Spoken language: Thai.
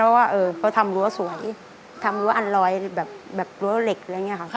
เพราะว่าเขาทำรั้วสวยทำรั้วอันลอยแบบรั้วเหล็กอะไรอย่างนี้ค่ะ